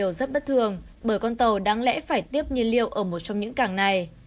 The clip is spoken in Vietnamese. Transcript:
đây là điều rất bất thường bởi con tàu đáng lẽ phải tiếp nhân liệu ở một trong những cảng này